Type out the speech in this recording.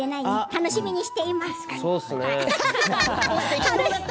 楽しみにしています。